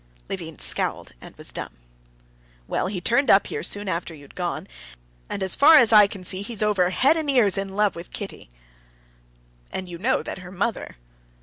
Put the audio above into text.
Levin scowled and was dumb. "Well, he turned up here soon after you'd gone, and as I can see, he's over head and ears in love with Kitty, and you know that her mother...."